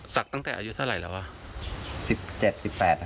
สักตั้งแต่อายุเท่าไหร่หรือเปล่า